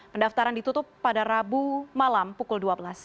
pendaftaran ditutup pada rabu malam pukul dua belas